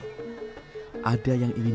ini bukan sembarang festival